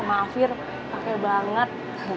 maafir pakai banget